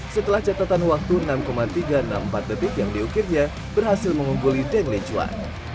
setelah catatan waktu enam tiga ratus enam puluh empat detik yang diukirnya berhasil mengungguli deng lechuan